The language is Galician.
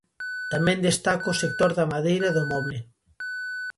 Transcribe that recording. Tamén destaca o sector da madeira e do moble.